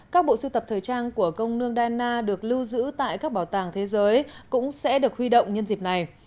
các bộ sưu tập thời trang của công nương dana được lưu giữ tại các bảo tàng thế giới cũng sẽ được huy động nhân dịp này